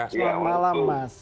selamat malam mas